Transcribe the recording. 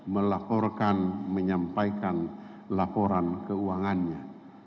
melaporkan menyampaikan laporan keuangannya